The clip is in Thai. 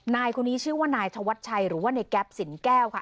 นายคนนี้ชื่อว่านายธวัชชัยหรือว่าในแก๊ปสินแก้วค่ะ